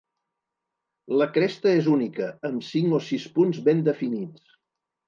La cresta és única, amb cinc o sis punts ben definits.